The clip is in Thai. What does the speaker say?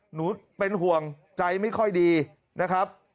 หนูเป็นห่วงใจไม่ค่อยดีนะครับ